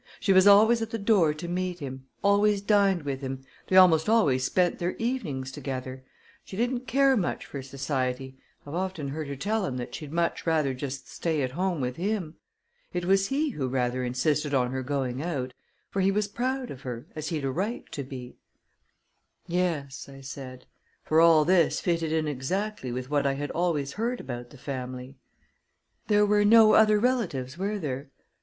She was always at the door to meet him; always dined with him; they almost always spent their evenings together. She didn't care much for society I've often heard her tell him that she'd much rather just stay at home with him. It was he who rather insisted on her going out; for he was proud of her, as he'd a right to be." "Yes," I said: for all this fitted in exactly with what I had always heard about the family. "There were no other relatives, were there?"